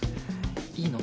いいの？